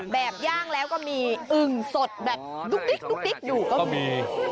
ย่างแล้วก็มีอึ่งสดแบบดุ๊กดิ๊กอยู่ก็มี